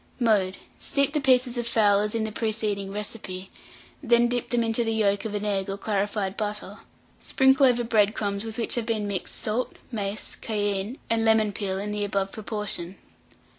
Mode. Steep the pieces of fowl as in the preceding recipe, then dip them into the yolk of an egg or clarified butter; sprinkle over bread crumbs with which have been mixed salt, mace, cayenne, and lemon peel in the above proportion.